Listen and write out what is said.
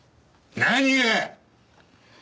何が？